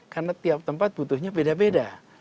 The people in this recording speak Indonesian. karena tiap tempat butuhnya beda beda